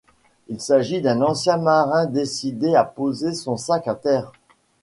Il s'agit d'un ancien marin décidé à poser son sac à terre.